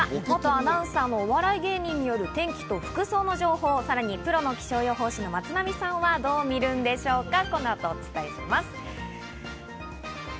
元アナウンサーのお笑い芸人による天気と服装の情報を、さらにプロの気象予報士・松並さんはどう見るんでしょうか。